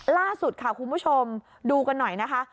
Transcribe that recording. ล่าสุดค่ะคุณผู้ชมดูกันหน่อยนะคะ